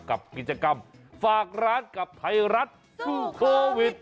กับกิจกรรมฝากร้านกับไทยรัฐสู้โควิด